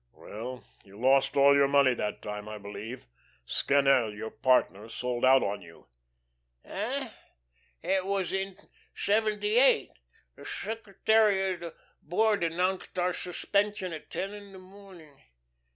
"Well, you lost all your money that time, I believe. Scannel, your partner, sold out on you." "Hey? It was in seventy eight.... The secretary of the Board announced our suspension at ten in the morning.